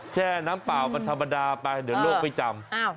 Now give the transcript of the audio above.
แช่น้ำเปล่ากันธรรมดาไปเดี๋ยวโลกไม่จำ